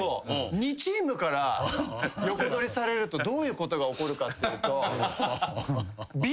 ２チームから横取りされるとどういうことが起こるかっていうと。